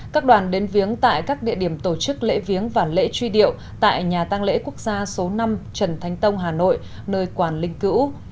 các đoàn đến viếng tại các địa điểm tổ chức lễ viếng và lễ truy điệu tại nhà tăng lễ quốc gia số năm trần thánh tông hà nội nơi quản linh cữu